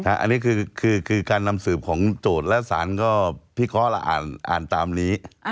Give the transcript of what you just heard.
อันนี้คือการนำสืบของโจทย์และสารก็พิเคราะห์อ่านตามนี้